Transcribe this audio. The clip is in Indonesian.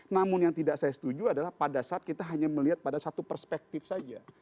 namun yang tidak saya setuju adalah pada saat kita hanya melihat pada satu perspektif saja